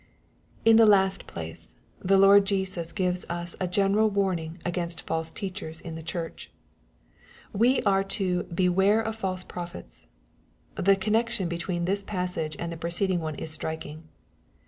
In the last place, the Lord Jesus gives us a general warning against false teachers in the church. We are to " beware of false prophets/' The connecti5n between this passage and the preceding one is striking.